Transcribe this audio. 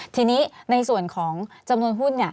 ทีนี้ในส่วนของจำนวนหุ้น